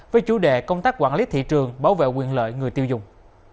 với chủ đề công tác quản lý thị trường bảo vệ quyền lợi người tiêu dùng